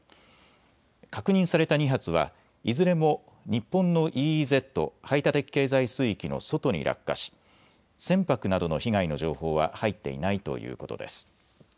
確認された２発はいずれも日本のＥＥＺ・排他的経済水域の外に落下し船舶などの被害の情報は入っていないということです。